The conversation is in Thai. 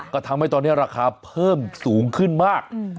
ก็ทำให้ตอนนี้ราคาเพิ่มสูงขึ้นมาก